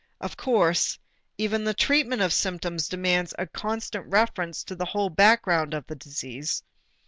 Of course, even the treatment of symptoms demands a constant reference to the whole background of the disease.